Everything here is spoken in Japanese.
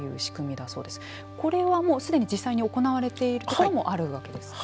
これはもう既に実際に行われているところもあるわけですか。